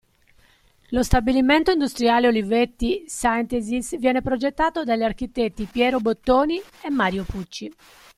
Lo Stabilimento industriale Olivetti Synthesis viene progettato dagli architetti Piero Bottoni e Mario Pucci.